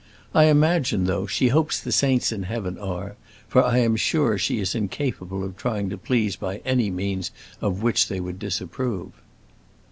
I imagine, though, she hopes the saints in heaven are, for I am sure she is incapable of trying to please by any means of which they would disapprove."